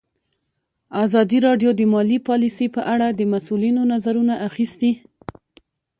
ازادي راډیو د مالي پالیسي په اړه د مسؤلینو نظرونه اخیستي.